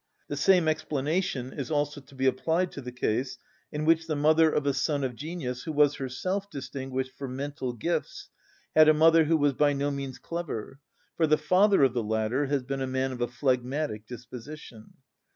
The same explanation is also to be applied to the case in which the mother of a son of genius who was herself distinguished for mental gifts had a mother who was by no means clever, for the father of the latter has been a man of a phlegmatic disposition.